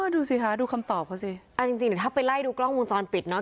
อ๋อดูสิฮะดูคำตอบเขาสิอ่าจริงจริงถ้าไปไล่ดูกล้องวงซอนปิดเนอะ